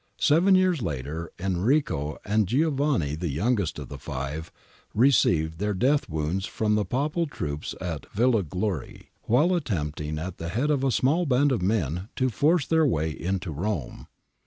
Seven years later Enrico, and Giovanni the youngest of the five, received their death wounds from the Papal troops at Villa Glori, while attempting at the head of a small band of men to force their way into Rome.